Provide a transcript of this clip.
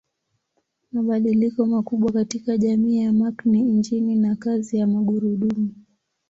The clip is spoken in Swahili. Mabadiliko makubwa katika jamii ya Mark ni injini na kazi ya magurudumu.